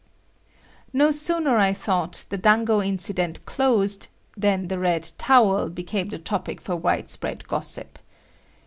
No sooner I thought the dango incident closed than the red towel became the topic for widespread gossip.